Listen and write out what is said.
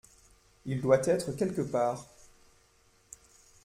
Il doit être quelque part.